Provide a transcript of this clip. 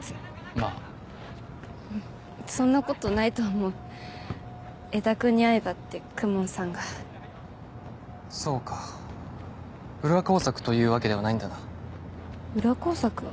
まあそんなことないと思う江田君に会えばって公文さんがそうか裏工作というわけではないんだな裏工作？